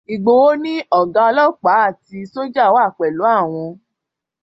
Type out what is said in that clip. Ìgbòho ní ọ̀gá ọlọ́pàá àti Sójà wà pẹ̀lú àwọn.